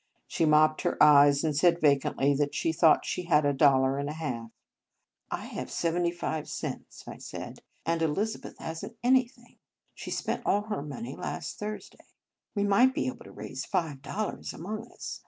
She mopped her eyes, and said vacantly that she thought she had a dollar and a half. "I have seventy five cents," I said; " and Elizabeth has n t anything. She 33 In Our Convent Days spent all her money last Thursday. We might be able to raise five dol lars amongst us.